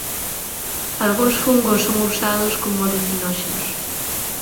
Algúns fungos son usados como alucinóxenos.